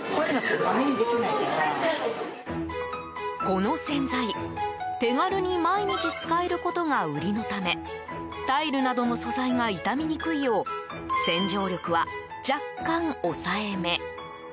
この洗剤、手軽に毎日使えることが売りのためタイルなどの素材が傷みにくいよう洗浄力は、若干抑えめ。